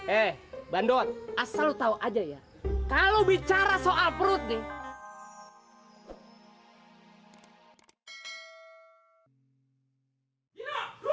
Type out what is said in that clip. eh bandot asal lo tau aja ya kalau bicara soal perut nih